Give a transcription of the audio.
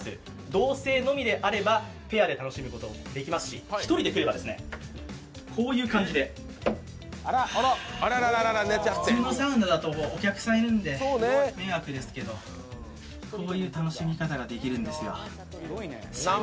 同性のみであればペアで来ることはできますし１人で来ればこういう感じで普通のサウナだとお客さんいるんで迷惑ですけどこういう楽しみ方ができるんですよ。